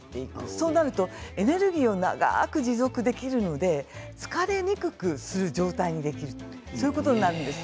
そうなるとエネルギーを長く持続できるので疲れにくくする状態ができるということなんです。